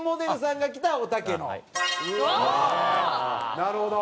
なるほど。